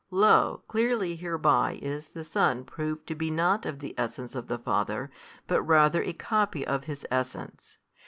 Lo clearly hereby is the Son proved to be not of the Essence of the Father, but rather a copy of His Essence.